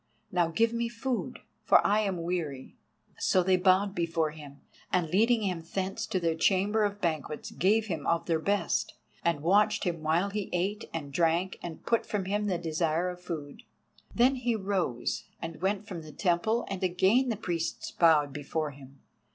Now give me food, for I am weary." So they bowed before him, and leading him thence to their chamber of banquets gave him of their best, and watched him while he ate and drank and put from him the desire of food. Then he rose and went from the temple, and again the priests bowed before him.